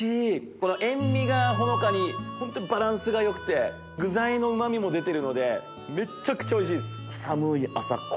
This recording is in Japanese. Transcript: この塩味がほのかにホントバランスが良くて具材のうま味も出てるのでめっちゃくちゃおいしいです！